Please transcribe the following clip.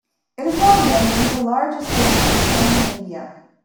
It has long been one of the largest banks in Scandinavia.